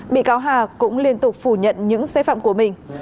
bị cáo hà cũng liên tục phủ nhận những sai phạm của mình